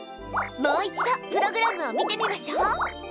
もう一度プログラムを見てみましょう。